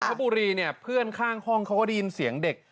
บุรีเนี่ยเพื่อนข้างห้องเขาก็ได้ยินเสียงเด็ก